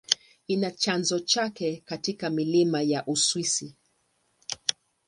Ina chanzo chake katika milima ya Uswisi.